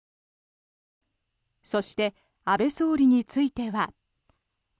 そして安倍総理については。